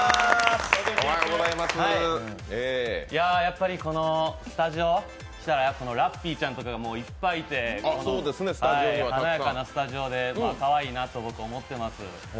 やっぱりスタジオ来たらラッピーちゃんがいっぱいいて華やかなスタジオでかわいいなと僕、思ってます。